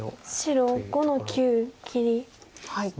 白５の九切り。